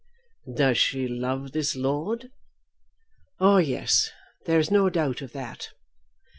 "Does she love this lord?" "Oh yes; there is no doubt of that."